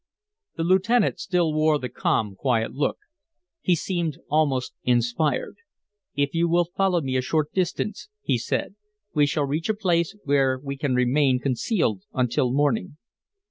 The lieutenant still wore the calm, quiet look; he seemed almost inspired. "If you will follow me a short distance," he said, "we shall reach a place where we can remain concealed until morning."